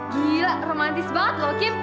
gila romantis banget loh kim